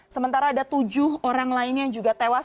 sementara ada tujuh orang lainnya yang juga tewas